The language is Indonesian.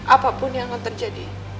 apapun yang akan terjadi